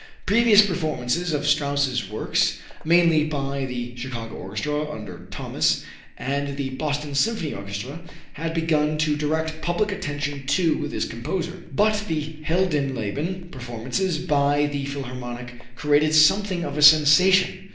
Previous performances of Strauss's works, mainly by the Chicago Orchestra, under Thomas, and the Boston Symphony Orchestra, had begun to direct public attention to this composer. But the "Heldenleben" performances by the Philharmonic created something of a sensation.